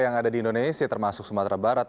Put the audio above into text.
yang ada di indonesia termasuk sumatera barat